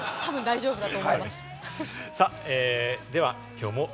たぶん大丈夫だと思います。